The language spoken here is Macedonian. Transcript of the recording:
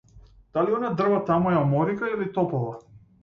Дали она дрво таму е оморика или топола?